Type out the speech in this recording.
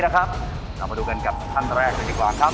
มาดูกันด้วยท่านแรกครับ